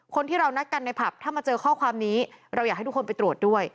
คนที่เรานัดกันในผับถ้ามาเจอข้อความนี้เราอยากให้ทุกคนไปตรวจด้วย